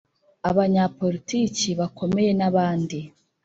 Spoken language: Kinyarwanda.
Abanyapolitiki bakomeye n’abandi